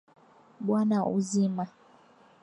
Bwana wa uzima.